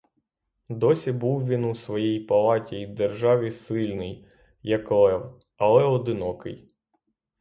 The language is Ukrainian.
Досі був він у своїй палаті й державі сильний, як лев, але одинокий.